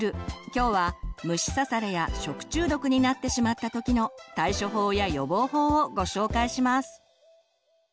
今日は「虫刺され」や「食中毒」になってしまった時の対処法や予防法をご紹介します！